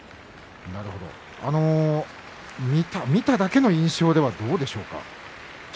見ただけの印象ではどうでしょうか？